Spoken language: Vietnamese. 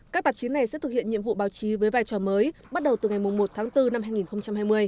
các tạp chí này sẽ thực hiện nhiệm vụ báo chí với vai trò mới bắt đầu từ ngày một tháng bốn năm hai nghìn hai mươi